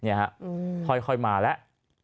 นี้ค่อยมาและ